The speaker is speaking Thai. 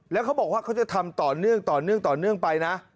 แล้วเขาบอกว่าเขาจะทำต่อเนื่องไปนะ